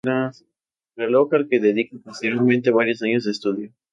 Reloj al que dedica posteriormente varios años de estudio.